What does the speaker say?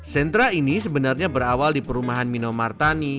sentra ini sebenarnya berawal di perumahan mino martani